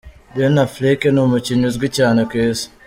Ben Affleck ni umukinnyi uzwi cyane ku Isi.